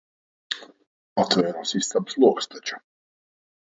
Atvērās istabas logs taču.